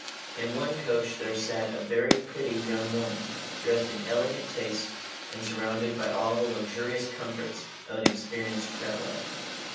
In one coach there sat a very pretty young woman dressed in elegant taste and surrounded by all the luxurious comforts of an experienced traveler.